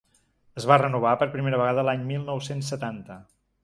Es va renovar per primera vegada l’any mil nou-cents setanta.